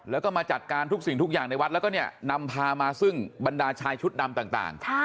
แล้วก็มาจัดการทุกสิ่งทุกอย่างในวัดแล้วก็เนี่ยนำพามาซึ่งบรรดาชายชุดดำต่าง